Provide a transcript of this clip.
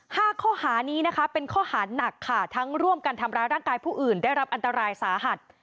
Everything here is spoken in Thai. ห้าข้อหานี้นะคะเป็นข้อหาหนักค่ะทั้งร่วมกันทำร้ายร่างกายผู้อื่นได้รับอันตรายสาหัส